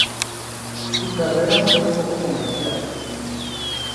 Su carrera fue poco comercial.